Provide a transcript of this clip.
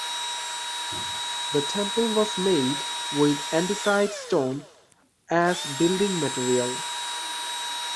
The temple was made with andesite stone as building material.